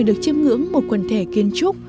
tôi được chiếm ngưỡng một quần thể kiến trúc